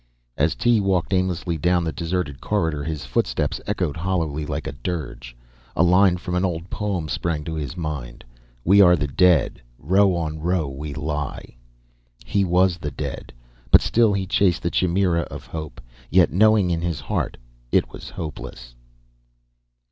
As Tee walked aimlessly down the deserted corridor, his footsteps echoed hollowly like a dirge. A line from an old poem sprang to his mind: "We are the dead, row on row we lie " He was the dead, but still he chased the chimera of hope, yet knowing in his heart it was hopeless.